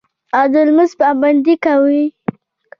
او د لمونځ پابندي کوي